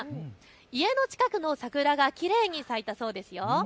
家の近くの桜がきれいに咲いたそうですよ。